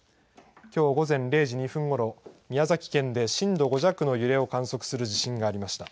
きょう午前０時２分ごろ、宮崎県で震度５弱の揺れを観測する地震がありました。